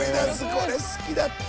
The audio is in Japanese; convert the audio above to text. これ好きだった！